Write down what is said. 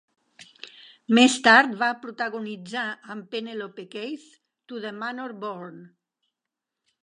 Més tard va protagonitzar, amb Penelope Keith, "To the Manor Born".